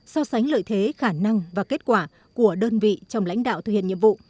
so sánh lợi thế khả năng và kết quả của đơn vị trong lãnh đạo thực hiện nhiệm vụ